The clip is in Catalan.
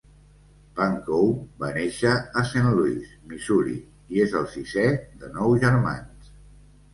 Pankow va néixer a Saint Louis, Missouri, i és el sisè de nou germans.